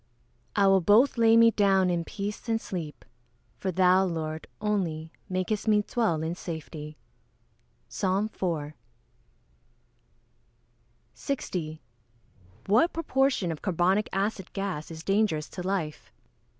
[Verse: "I will both lay me down in peace and sleep: for thou, Lord, only, makest me dwell in safety." PSALM IV.] 60. _What proportion of carbonic acid gas is dangerous to life?